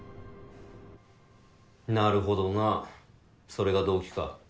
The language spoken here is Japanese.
なるほどなそれが動機か。